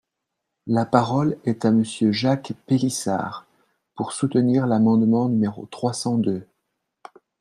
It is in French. La parole est à Monsieur Jacques Pélissard, pour soutenir l’amendement numéro trois cent deux.